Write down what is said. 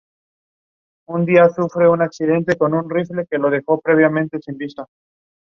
In the Fall of that year this policy was revealed by the Harvard Crimson.